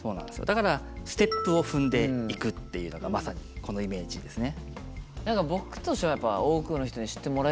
だからステップを踏んでいくっていうのがまさにこのイメージですね。